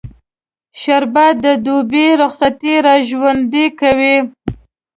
شربت د دوبی رخصتي راژوندي کوي